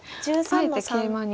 あえてケイマに。